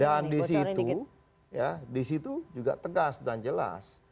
dan disitu ya disitu juga tegas dan jelas